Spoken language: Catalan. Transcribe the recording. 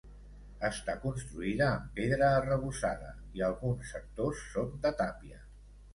Està construïda amb pedra arrebossada, i alguns sectors són de tàpia.